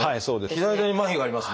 左手にまひがありますね。